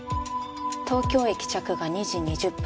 東京駅着が２時２０分。